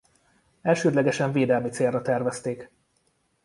Elsődlegesen védelmi célra tervezték.